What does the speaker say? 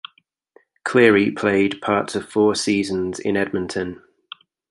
Cleary played parts of four seasons in Edmonton.